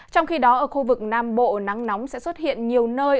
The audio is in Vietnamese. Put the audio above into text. trong khi đó ở khu vực nam bộ nắng nóng sẽ xuất hiện nhiều nơi